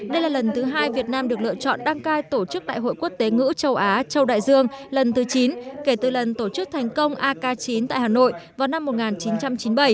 đây là lần thứ hai việt nam được lựa chọn đăng cai tổ chức đại hội quốc tế ngữ châu á châu đại dương lần thứ chín kể từ lần tổ chức thành công ak chín tại hà nội vào năm một nghìn chín trăm chín mươi bảy